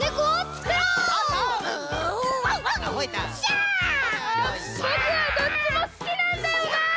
あぼくはどっちもすきなんだよな。